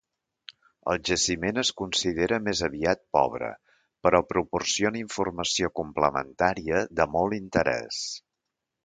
El jaciment es considera més aviat pobre però proporciona informació complementària de molt interès.